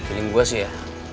pilih gue sih ya